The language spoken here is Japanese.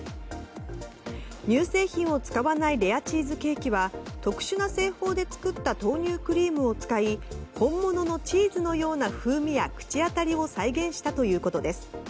乳製品を使わないレアチーズケーキは特殊な製法で作った豆乳クリームを使い本物のチーズのような風味や口当たりを再現したということです。